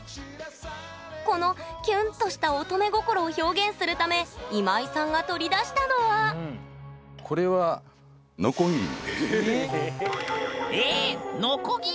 この「キュン」とした乙女心を表現するため今井さんが取り出したのはこれはええ⁉ノコギリ？